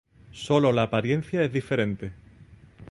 sólo la apariencia es diferente